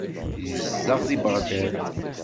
Yezdeɣ deg Beɣdad.